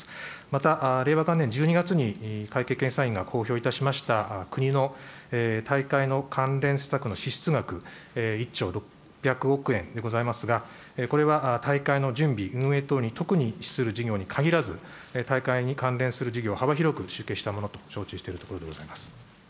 また、令和元年１２月に会計検査院が公表いたしました、国の大会の関連施策の支出額１兆６００億円でございますが、これは大会の準備、運営等に特に資する事業に限らず、大会に関連する事業、幅広く集計したものと承知をしているところでございます。